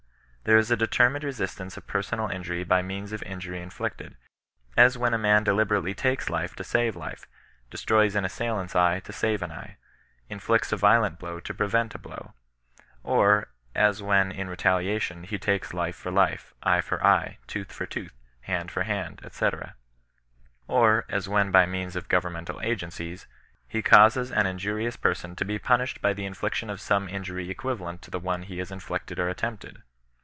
There is a determined resistance of personal injury by means oi injury inflicted; as when a man delibera^ly takes life to save life, destroys an assailant's eye to save an eye, inflicts a violent blow to prevent a blow ; or, as when, in retaliation, he takes life for life, eye for eye, tooth for tooth, hand for hand, &c. ; or, as when, by means of governmental agencies, he causes an injurious person to be punished by the infliction of some injury equiva lent to the ome he has inflicted or attempted.